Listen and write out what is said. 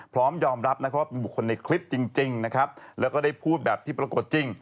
พร้อมยอมรับนะครับว่าเป็นบุคคลในคลิปจริงนะครับแล้วก็ได้พูดแบบที่ปรากฏจริง